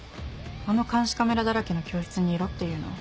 あの監視カメラだらけの教室にいろって言うの？